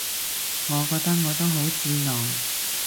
我覺得我都好戰狼